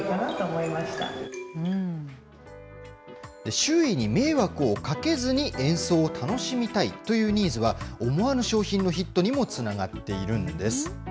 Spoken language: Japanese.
周囲に迷惑をかけずに演奏を楽しみたいというニーズは、思わぬ商品のヒットにもつながっているんです。